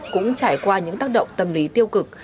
cũng trải qua những tác động tâm lý tiêu cực